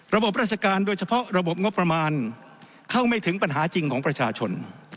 ระบบราชการโดยเฉพาะระบบงบประมาณเข้าไม่ถึงปัญหาจริงของประชาชน